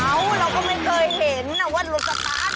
เอ้าแล้วไม่เคยเห็นว่ารถสแตร์ท